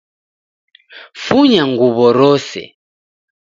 Funya nguw'o rose.